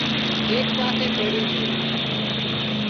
ايڪ پاسي تيڙِي جھو